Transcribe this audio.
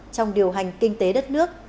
trong điều hành kinh tế đất nước